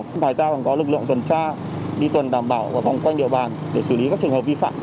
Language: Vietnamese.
ngoài ra còn có lực lượng tuần tra đi tuần đảm bảo vòng quanh địa bàn để xử lý các trường hợp vi phạm